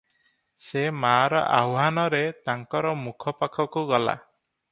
ସେ ମାଆର ଆହ୍ୱାନରେ ତାଙ୍କର ମୁଖ ପାଖକୁ ଗଲା ।